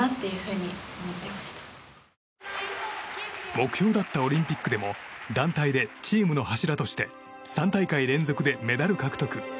目標だったオリンピックでも団体で、チームの柱として３大会連続でメダル獲得。